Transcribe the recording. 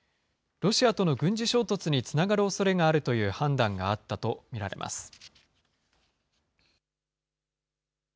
ロシアとの軍事衝突につながるおそれがあるという判断があったと見られます。